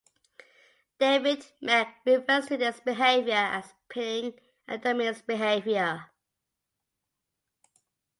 David Mech refers to this behavior as "pinning", a dominance behavior.